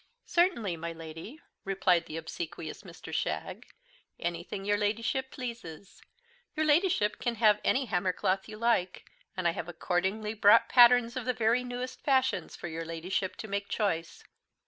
"Certainly, my Lady," replied the obsequious Mr. Shagg, "anything your Ladyship pleases; your Ladyship can have any hammer cloth you like; and I have accordingly brought patterns of the very newest fashions for your Ladyship to make choice.